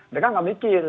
mereka nggak mikir